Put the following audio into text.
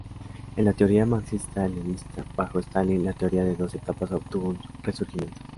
En la teoría marxista-leninsta bajo Stalin la teoría de dos etapas obtuvo un resurgimiento.